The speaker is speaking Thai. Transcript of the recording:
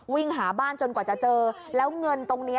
วิ่งหาบ้านจนกว่าจะเจอแล้วเงินตรงนี้